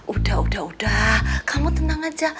udah udah udah kamu tenang aja